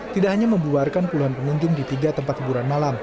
tidak hanya membuarkan puluhan pengunjung di tiga tempat hiburan malam